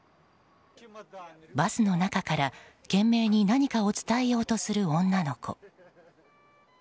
バスの中から懸命に何かを伝えようとする女の子。